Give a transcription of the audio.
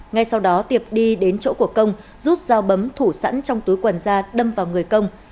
ngay sau đó tiệp đi đến chỗ của công rút dao bấm thủ sẵn trong túi quần ra đâm vào người công